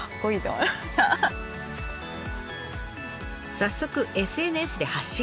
早速ＳＮＳで発信。